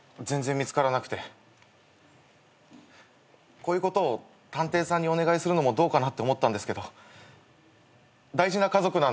こういうことを探偵さんにお願いするのもどうかなって思ったんですけど大事な家族なんです。